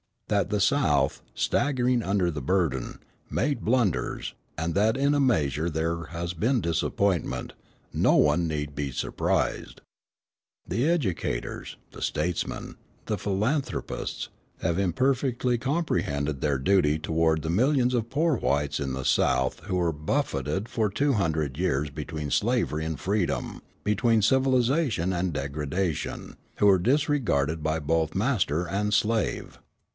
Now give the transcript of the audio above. That the South, staggering under the burden, made blunders, and that in a measure there has been disappointment, no one need be surprised. The educators, the statesmen, the philanthropists, have imperfectly comprehended their duty toward the millions of poor whites in the South who were buffeted for two hundred years between slavery and freedom, between civilisation and degradation, who were disregarded by both master and slave.